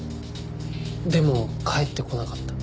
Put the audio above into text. でも帰ってこなかった。